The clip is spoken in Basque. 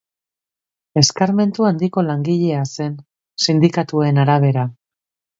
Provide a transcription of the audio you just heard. Eskarmentu handiko langilea zen, sindikatuen arabera.